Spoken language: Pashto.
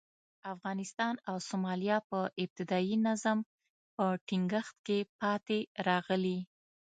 افغانستان او سومالیا په ابتدايي نظم په ټینګښت کې پاتې راغلي.